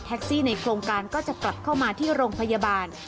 ซี่ในโครงการก็จะกลับเข้ามาที่โรงพยาบาล